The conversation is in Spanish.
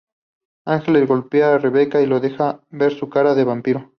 Ángelus golpea a Rebecca y le deja ver su cara de vampiro.